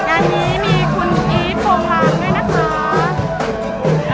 การนี้มีคุณอีสพงษ์หลังด้วยนะคะ